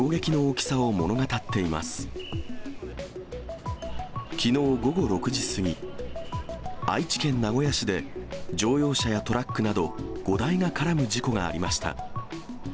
きのう午後６時過ぎ、愛知県名古屋市で乗用車やトラックなど、５台が絡む事故がありました。